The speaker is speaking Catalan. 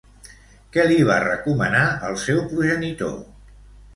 Què li va recomanar el seu progenitor?